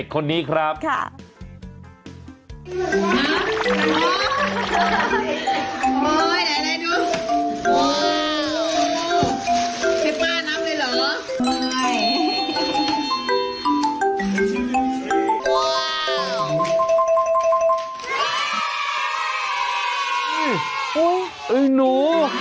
โอ้ยไอ้หนู